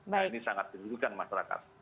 nah ini sangat menyerukan masyarakat